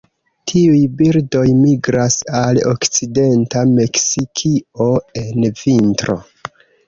Tiuj birdoj migras al okcidenta Meksikio en vintro.